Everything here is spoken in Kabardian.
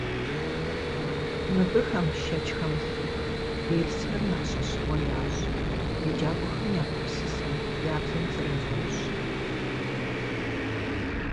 Мыбыхэм, шэч хэмылъу, дерсхэр нэхъ щӏэщыгъуэ ящӏ, еджакӏуэхэм я гупсысэм, я бзэм зрегъэужь.